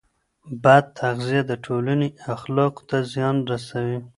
بد تغذیه د ټولنې اخلاقو ته زیان رسوي.